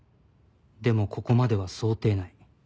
でもここまでは想定内